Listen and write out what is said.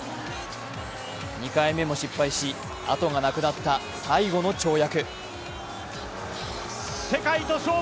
２回目も失敗し、後がなくなった最後の跳躍。